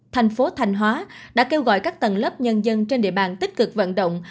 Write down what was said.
thành phố thanh hóa đã kêu gọi các tầng lớp nhân dân trên địa bàn tích cực vận động